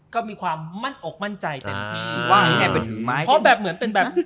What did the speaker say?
ก็มีความมั่นอกมั่นใจเต็มที่